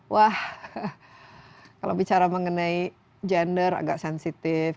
wah kalau bicara mengenai gender agak sensitif